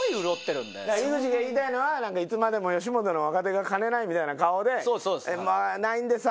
井口が言いたいのはいつまでも吉本の若手が金ないみたいな顔でないんですわ